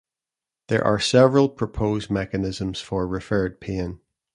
There are several proposed mechanisms for referred pain.